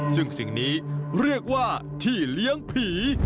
ซึ่งสิ่งนี้เรียกว่าที่เลี้ยงผี